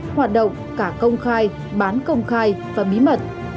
hoạt động cả công khai bán công khai và bí mật